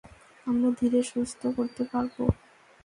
আমরা ধীরে সুস্থে করতে পারবো।